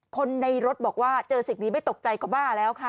คนในรถบอกว่าเจอสิ่งนี้ไม่ตกใจก็บ้าแล้วค่ะ